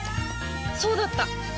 そうだった！